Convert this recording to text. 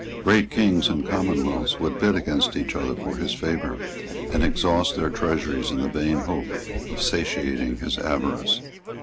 Great kings and commonwealths would bid against each other for his favour, and exhaust their treasuries in the vain hope of satiating his avarice.